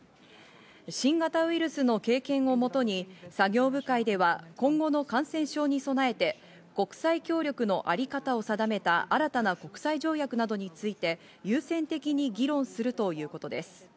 新型ウイルスの経験をもとに作業部会では今後の感染症に備えて国際協力のあり方を定めた新たな国際条約などについて優先的に議論するということです。